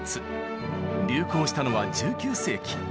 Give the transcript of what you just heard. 流行したのは１９世紀。